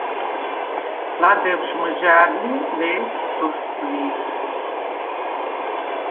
ლადეღშუ̂ მჷჟა̄̈რ ლი, ლე̄თშუ̂ – დოშდუ̂ლი̄რ.